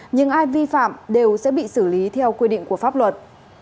nhưng ai vi phạm đều sẽ bị xử lý theo quy định của pháp luật